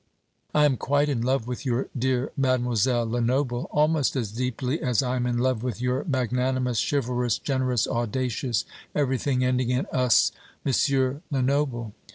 I am quite in love with your dear Mademoiselle Lenoble; almost as deeply as I am in love with your magnanimous, chivalrous, generous, audacious everything ending in ous Monsieur Lenoble.